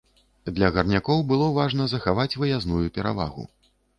Для гарнякоў было важна захаваць выязную перавагу.